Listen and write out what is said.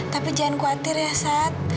tapi jangan khawatir ya sat